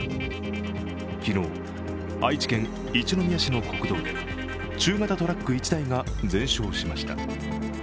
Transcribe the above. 昨日、愛知県一宮市の国道で中型トラック１台が全焼しました。